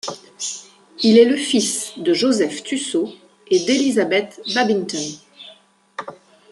Il est le fils de Joseph Tussaud et d'Elizabeth Babbington.